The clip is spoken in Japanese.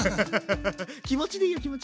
気持ちでいいよ気持ち。